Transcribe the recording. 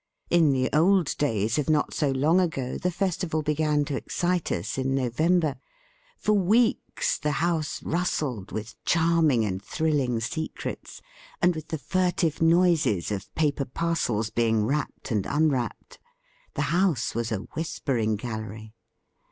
In the old days of not so long ago the festival began to excite us in November. For weeks the house rustled with charming and thrill ing secrets, and with the furtive noises of paper parcels being wrapped and unwrapped; the house was a whisper ing gallery.